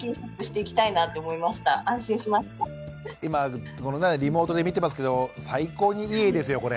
今リモートで見てますけど最高にいい画ですよこれ。